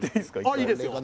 あいいですよ。